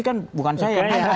kan bukan saya